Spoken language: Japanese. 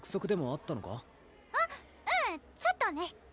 あっうんちょっとね